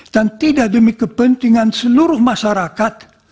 dan tidak demi kepentingan seluruh masyarakat